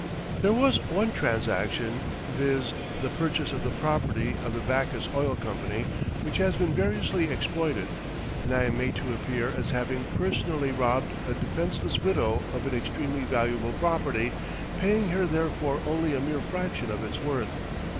There was one transaction, viz., the purchase of the property of the Backus Oil Company, which has been variously exploited, and I am made to appear as having personally robbed a defenceless widow of an extremely valuable property, paying her therefor only a mere fraction of its worth.